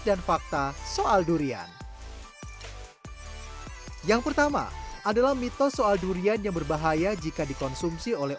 fakta soal durian yang pertama adalah mitos soal durian yang berbahaya jika dikonsumsi oleh